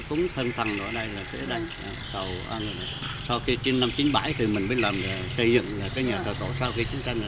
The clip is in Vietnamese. ông nguyễn việt minh năm nay đã ngoài bảy mươi tuổi